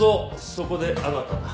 そこであなただ。